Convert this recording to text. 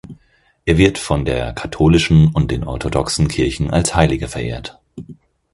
Er wird von der katholischen und den orthodoxen Kirchen als Heiliger verehrt.